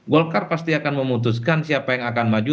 golkar pasti akan memutuskan siapa yang akan maju